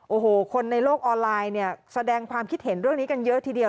โอ้โหคนในโลกออนไลน์เนี่ยแสดงความคิดเห็นเรื่องนี้กันเยอะทีเดียว